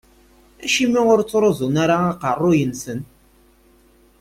Acimi ur ttruẓun ara aqerru-nsen?